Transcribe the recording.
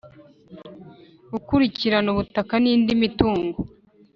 Gukurikirana ubutaka n’indi mitungo